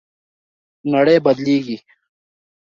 نړۍ بدلیږي.